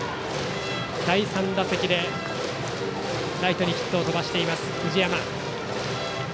第３打席でライトにヒットを飛ばしている藤山。